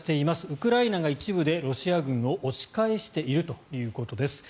ウクライナが一部でロシア軍を押し返しているということです。